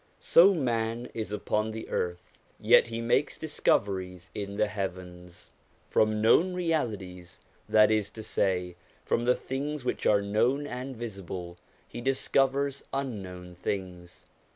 So, man is upon the earth, yet he makes discoveries in the heavens. From known realities, that is to say from the things which are known and visible, he discovers unknown things.